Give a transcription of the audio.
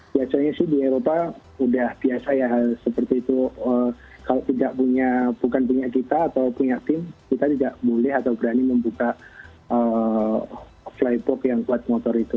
biasanya sih di eropa udah biasa ya seperti itu kalau tidak punya bukan punya kita atau punya tim kita tidak boleh atau berani membuka flybox yang kuat motor itu